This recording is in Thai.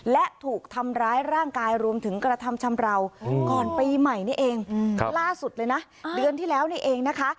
และถูกทำร้ายร่างกายรวมถึงกระทำชำราวก่อนปีใหม่นี่เองล่าสุดเลยนะเดือนที่แล้วนี่เองนะคะ